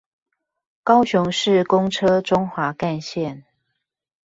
高雄市公車中華幹線